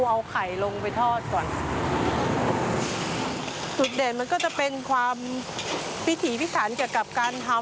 เอาไข่ลงไปทอดก่อนจุดเด่นมันก็จะเป็นความพิถีพิสันเกี่ยวกับการทำ